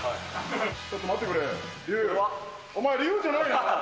ちょっと待ってくれ、リュウ、お前リュウじゃないな。